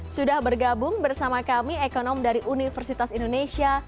sudah bergabung bersama kami ekonom dari universitas indonesia